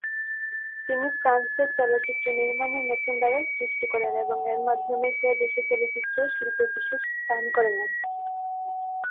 তিনি ফ্রান্সের চলচ্চিত্র নির্মাণে নতুন ধারার সৃষ্টি করেন এবং এর মাধ্যমে সে দেশের চলচ্চিত্র শিল্পে বিশেষ স্থান করে নেন।